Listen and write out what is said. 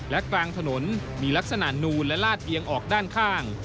และกลางถนนมีลักษณะนูนและลาดเอียงออกด้านข้าง